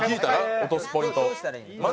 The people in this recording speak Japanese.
落とすポイント。